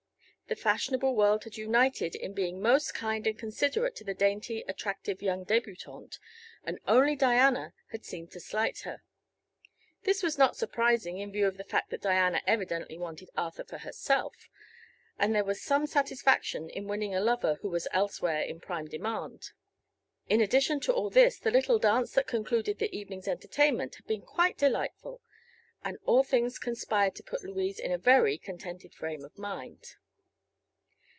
The fashionable world had united in being most kind and considerate to the dainty, attractive young debutante, and only Diana had seemed to slight her. This was not surprising in view of the fact that Diana evidently wanted Arthur for herself, and there was some satisfaction in winning a lover who was elsewhere in prime demand. In addition to all this the little dance that concluded the evening's entertainment had been quite delightful, and all things conspired to put Louise in a very contented frame of mind.